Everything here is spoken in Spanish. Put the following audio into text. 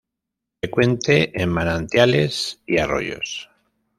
Frecuente en manantiales y arroyos.